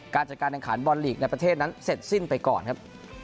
การจัดการแข่งขันบอลลีกในประเทศนั้นเสร็จสิ้นไปก่อนครับ